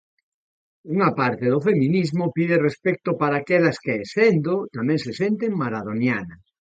Unha parte do feminismo pide respecto para aquelas que, séndoo, tamén se senten maradonianas.